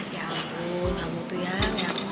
ya ampun kamu tuh yang